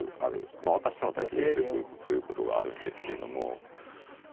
まあ私との対局だとよくそういうことがあるんですけども。